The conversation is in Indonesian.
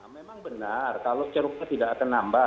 memang benar kalau ceruknya tidak akan nambah